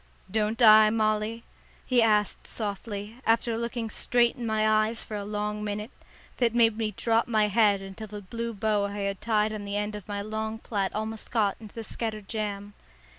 "Don't I, Molly?" he asked softly, after looking straight in my eyes for a long minute, that made me drop my head until the blue bow I had tied on the end of my long plait almost got into the scattered jam.